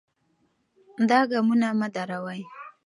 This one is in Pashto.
دا ګامونه مه دروئ.